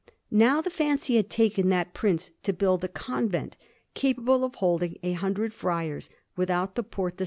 Now the fancy had taken that Prince to build a convent capable of holding a hundred friars, without the Porta S.